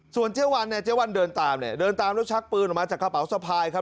ส่วนเจ๊วันเนี่ยเจ๊วันเดินตามเนี่ยเดินตามแล้วชักปืนออกมาจากกระเป๋าสะพายครับ